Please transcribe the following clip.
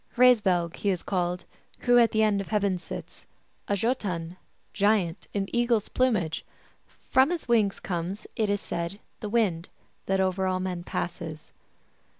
" Hraesvelg he is called Who at the end of heaven sits, A Jbtun (giant) in eagle s plumage : From his wings comes, It is said, the wind That over all men passes."